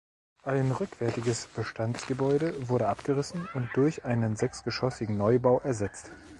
Ein rückwärtiges Bestandsgebäude wurde abgerissen und durch einen sechsgeschossigen Neubau ersetzt.